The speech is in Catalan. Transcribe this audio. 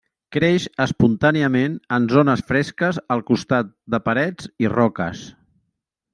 Creix espontàniament en zones fresques al costat de parets i roques.